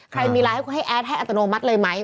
ใครมีไลน์ให้คุณให้แอดให้อัตโนมัติเลยไหม